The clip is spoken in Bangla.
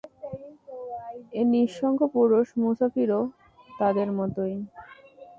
এ নিঃসঙ্গ পুরুষ মুসাফিরও তাদের মতই।